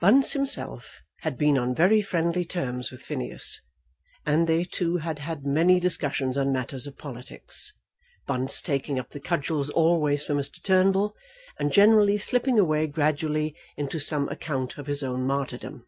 Bunce himself had been on very friendly terms with Phineas, and they two had had many discussions on matters of politics, Bunce taking up the cudgels always for Mr. Turnbull, and generally slipping away gradually into some account of his own martyrdom.